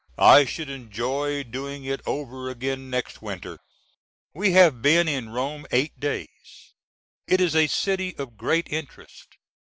I should enjoy doing it over again next winter. We have been in Rome eight days. It is a city of great interest.